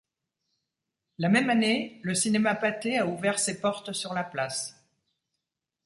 La même année, le cinéma Pathé a ouvert ses portes sur la place.